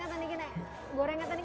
goreng ini berapa menit